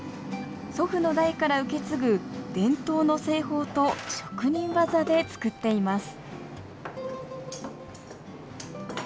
祖父の代から受け継ぐ伝統の製法と職人技で作っています